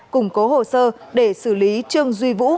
củng cố hồ sơ để xử lý trương duy vũ